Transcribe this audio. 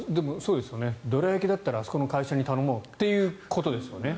どら焼きだったらあそこの会社に頼もうということですよね。